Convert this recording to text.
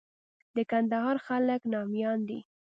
د کندهار خلک ناميان دي.